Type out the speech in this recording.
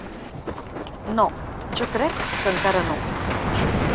No, jo crec que encara no.